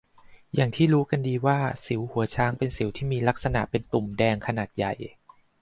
อย่างที่รู้กันดีว่าสิวหัวช้างเป็นสิวที่มีลักษณะเป็นตุ้มแดงขนาดใหญ่